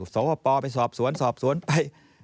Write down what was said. สวปไปสอบสวนสอบสวนไป